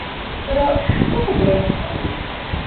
Pero, ¿que se cren?